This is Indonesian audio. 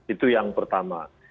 itu yang pertama